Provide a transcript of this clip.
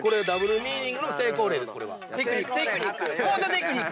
テクニック！